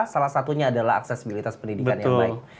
salah satunya adalah aksesibilitas pendidikan yang baik